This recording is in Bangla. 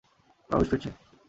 ওনার হুঁশ ফিরছে।